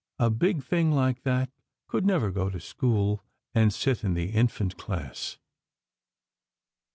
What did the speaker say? A big thing like that could never go to school and sit in the infant class."